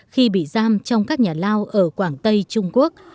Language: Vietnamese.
khi bị giam trong các nhà lao ở quảng tây trung quốc